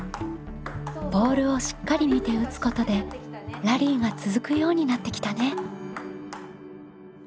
ボールをしっかり見て打つことでラリーが続くようになってきたね。